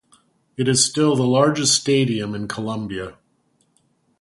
It is still the largest stadium in Colombia.